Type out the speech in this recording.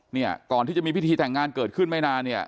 เนี่ยก่อนที่จะมีพิธีแต่งงานเกิดขึ้นไม่นานเนี่ย